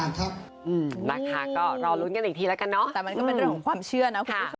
โอนะค่ะก็รอรุ้นกันอีกทีแล้วกันเนาะ